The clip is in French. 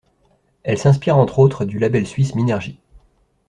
Elle s'inspire entre autres du label suisse Minergie.